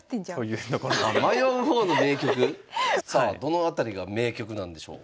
さあどの辺りが迷局なんでしょう？